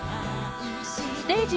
ステージ